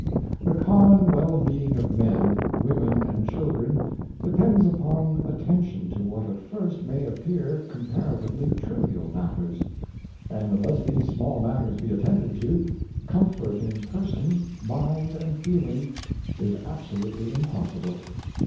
The common well being of men, women and children depends upon attention to what at first may appear com paratively trivial matters. And unless these small matters be attended to, comfort in person, mind and feeling is absolutely impossible.